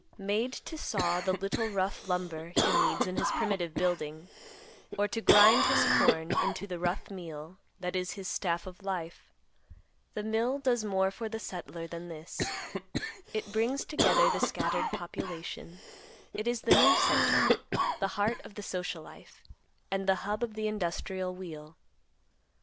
Made to saw the little rough lumber he needs in his primitive building, or to grind his corn into the rough meal, that is his staff of life, the mill does more for the settler than this; it brings together the scattered population, it is the news center, the heart of the social life, and the hub of the industrial wheel.